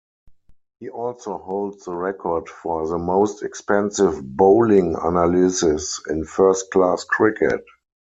He also holds the record for the most expensive bowling analysis in first-class cricket.